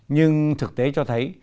nhưng thực tế cho thấy